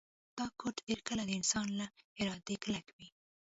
دا کوډ ډیر کله د انسان له ارادې کلک وي